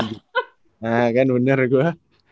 ya kan bener gue